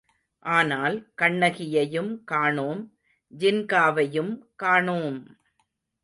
ஆனால், கண்ணகியையும் காணோம் ஜின்காவையும் காணோம்!